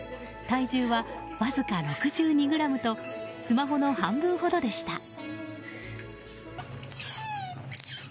体重はわずか６２ｇとスマホの半分ほどでした。